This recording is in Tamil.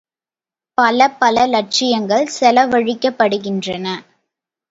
பலப்பல இலட்சங்கள் செலவழிக்கப்படுகின்றன!